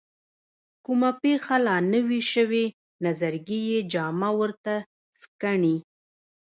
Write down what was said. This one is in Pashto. کومه پېښه لا نه وي شوې نظرګي یې جامه ورته سکڼي.